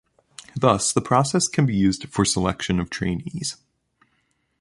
Thus, the process can be used for selection of trainees.